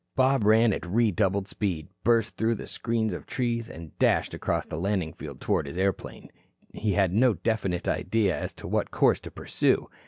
Bob ran on at redoubled speed, burst through the screen of trees, and dashed across the landing field toward his airplane. He had no definite idea as to what course to pursue.